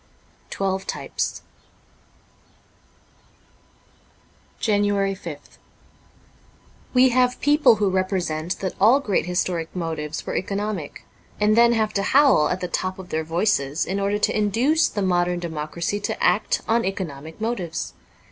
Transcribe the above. ' Twelve Types: JANUARY 5th WE have people who represent that all great historic motives were economic, and then have to howl at the top of their voices in order to induce the modern democracy to act on economic motives.